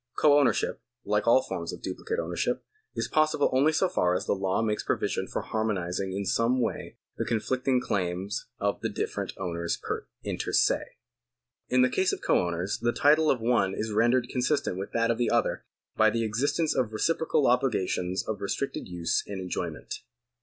Co ownership, like all other forms of duplicate ownership, is possible only so far as the law makes provision for har monising in some way the conflicting claims of the different owners inter se. In the case of co owners the title of the one is rendered consistent with that of the other by the existence of reciprocal obligations of restricted use and enjoyment.